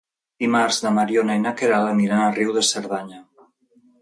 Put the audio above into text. Dimarts na Mariona i na Queralt aniran a Riu de Cerdanya.